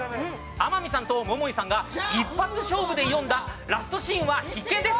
天海さんと桃井さんが一発勝負で挑んだラストシーンは必見です！